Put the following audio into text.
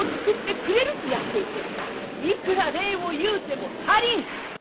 いくら礼を言うても足りん！